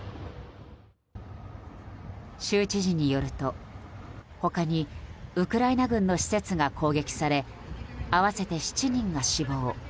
州知事によると、他にウクライナ軍の施設が攻撃され合わせて７人が死亡。